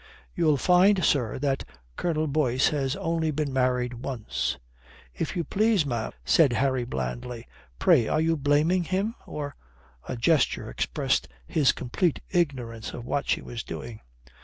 "You'll find, sir, that Colonel Boyce has only been married once." "If you please, ma'am," said Harry blandly. "Pray, are you blaming him? Or " a gesture expressed his complete ignorance of what she was doing.